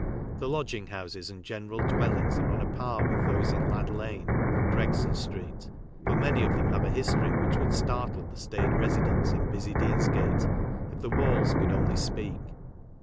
The lodrinir houses and general dwellings are on a par with thol ■ n ^ad lan a and Gregson street, but many of them have a history which would startle the staid residents in busy Deansgate if the walls could only speak.